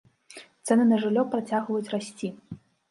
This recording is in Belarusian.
Цэны на жыллё працягваюць расці.